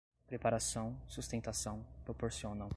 preparação, sustentação, proporcionam